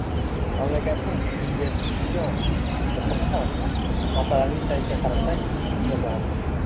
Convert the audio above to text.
Mamlakatning investitsion muhiti ham, masalaning tagiga qarasak, shunga bog‘liq.